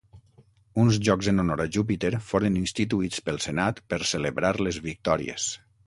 Uns jocs en honor a Júpiter foren instituïts pel senat per celebrar les victòries.